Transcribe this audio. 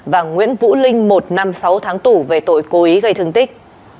và nguyễn vũ linh một năm sáu tháng tù về tội cố ý gây thương tích